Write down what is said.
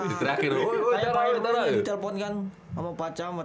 iya kaya pada saat ini ditelepon kan sama pak camat